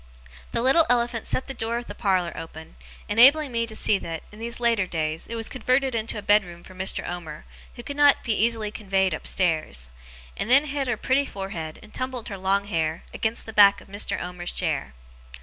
The little elephant set the door of the parlour open, enabling me to see that, in these latter days, it was converted into a bedroom for Mr. Omer who could not be easily conveyed upstairs; and then hid her pretty forehead, and tumbled her long hair, against the back of Mr. Omer's chair.